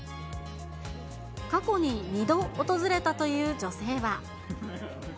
過去に２度訪れたという女性は。